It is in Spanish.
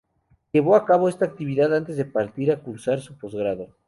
Llevó a cabo esta actividad antes de partir a cursar su posgrado.